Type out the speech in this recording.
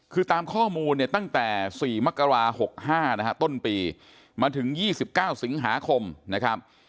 คือตามข้อมูลเนี่ยตั้งแต่๔มกรา๖๕นะฮะต้นปีมาถึง๒๙สิงหาคมนะครับ